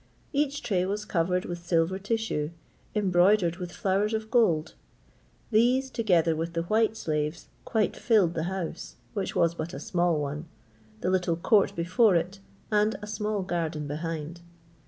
Each tray was covered with silver tissue, embroidered with flowers of gold; these, together with the white slaves, quite filled the house, which was but a small one, the little court before it, and a small garden behind.